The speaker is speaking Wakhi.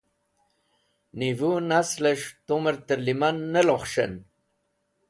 Nivu Nasles̃h tumer terliman ne lokhs̃han